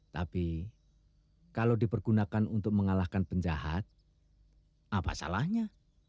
tapi kalau dipergunakan untuk mengalahkan penjahat apa salahnya